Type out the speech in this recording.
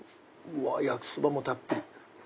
焼きそばもたっぷり！